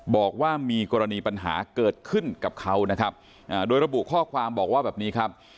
บอกว่ามีกรณีปัญหาเกิดขึ้นกับเขานะครับโดยระบุข้อความบอกว่าแบบนี้ครับ